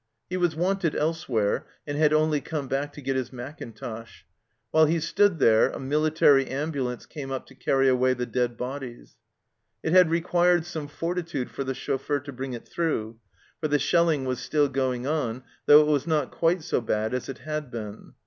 He was wanted elsewhere, and had only come back to get his mackintosh ; while he stood there a military ambulance came up to carry away the dead bodies. It had required some fortitude for the chauffeur to bring it through, for the shelling was still going on, though it was not quite so bad as it had been.